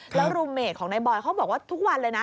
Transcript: แล้วรูเมดของนายบอยเขาบอกว่าทุกวันเลยนะ